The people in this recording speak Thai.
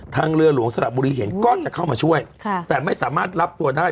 เรือหลวงสระบุรีเห็นก็จะเข้ามาช่วยค่ะแต่ไม่สามารถรับตัวได้